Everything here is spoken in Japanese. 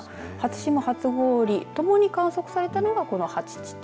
初霜、初氷ともに観測されたのがこちらの８地点。